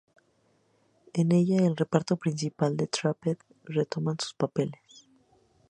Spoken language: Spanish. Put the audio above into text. En ella, el reparto principal de Trapped retoman sus papeles.